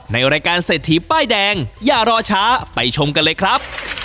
ในรายการเศรษฐีป้ายแดงอย่ารอช้าไปชมกันเลยครับ